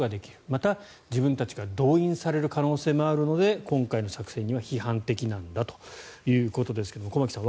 また自分たちが動員される可能性もあるので今回の作戦には批判的なんだということですが駒木さん